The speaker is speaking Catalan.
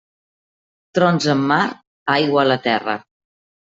Trons en mar, aigua a la terra.